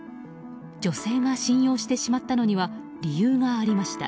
女性が信用してしまったのには理由がありました。